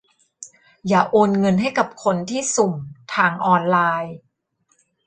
อย่าโอนเงินให้กับคนที่สุ่มทางออนไลน์